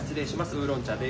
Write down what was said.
ウーロン茶です。